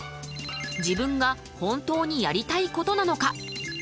自分が本当にやりたいことなのか？